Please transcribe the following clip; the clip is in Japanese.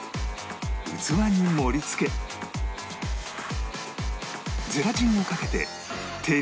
器に盛り付けゼラチンをかけて照りを出せば